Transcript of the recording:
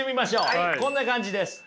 こんな感じです。